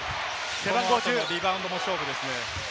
この後のリバウンドも勝負ですね。